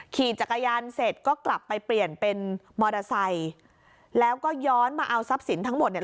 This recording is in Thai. ขี่จักรยานเสร็จก็กลับไปเปลี่ยนเป็นมอเตอร์ไซค์แล้วก็ย้อนมาเอาทรัพย์สินทั้งหมดเนี่ย